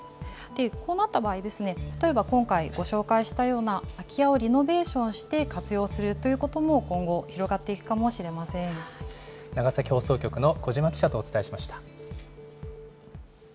こうなった場合、例えば今回ご紹介したような、空き家をリノベーションして活用するということも今後広がってい長崎放送局の小島記者とお伝えしました。